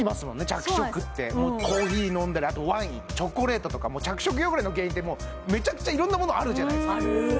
着色ってそうなんですコーヒー飲んだりあとワインチョコレートとか着色汚れの原因ってめちゃくちゃ色んなものあるじゃないですか